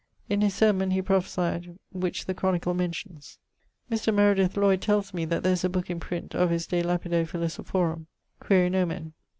In his sermon he prophesyed, which the Chronicle mentions. Mr. Meredith Lloyd tells me that there is a booke in print of his de lapide philosophorum; quaere nomen.